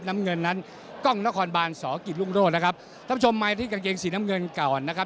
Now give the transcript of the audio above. น้ำเงินนั้นกล้องนครบานสกิจรุ่งโรธนะครับท่านผู้ชมมาที่กางเกงสีน้ำเงินก่อนนะครับ